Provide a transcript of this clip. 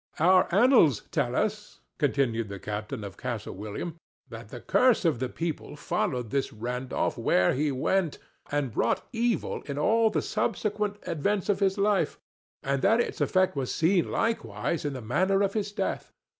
"Our annals tell us," continued the captain of Castle William, "that the curse of the people followed this Randolph where he went and wrought evil in all the subsequent events of his life, and that its effect was seen, likewise, in the manner of his death.